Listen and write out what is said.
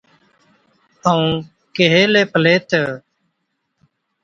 ائُون ڪيهَي هِلَي پلَي تہ،